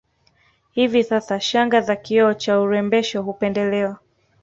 Hivi sasa shanga za kioo cha urembesho hupendelewa